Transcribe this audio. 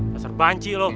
besar banci lu